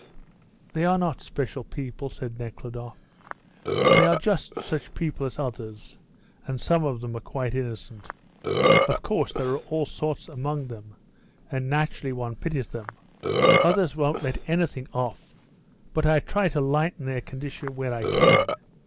"They are not special people," said Nekhludoff; "they are just such people as others, and some of them are quite innocent." "Of course, there are all sorts among them, and naturally one pities them. Others won't let anything off, but I try to lighten their condition where I can.